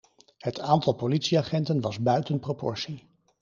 Het aantal politieagenten was buiten proportie.